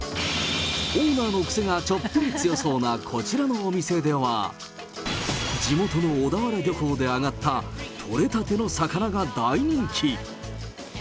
オーナーの癖がちょっぴり強そうなこちらのお店では、地元の小田原漁港で揚がった取れたての魚が大人気。